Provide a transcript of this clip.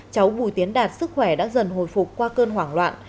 cháu bùi tiến đạt sức khỏe đã dần hồi phục qua cơn hoảng loạn